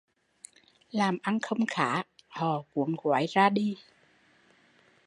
Làm ăn không khá, họ cuốn gói ra đi